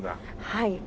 はい。